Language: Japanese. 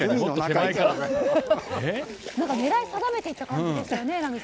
狙い定めて行った感じでしたよね。